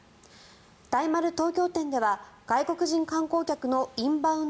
大丸東京店では外国人観光客のインバウンド